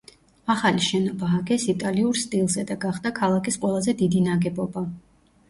ახალი შენობა ააგეს იტალიურ სტილზე და გახდა ქალაქის ყველაზე დიდი ნაგებობა.